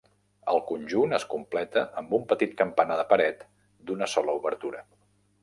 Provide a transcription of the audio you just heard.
El conjunt es completa amb un petit campanar de paret, d'una sola obertura.